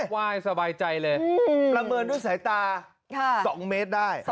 ไหว้สบายใจเลยประเมินด้วยสายตา๒เมตรได้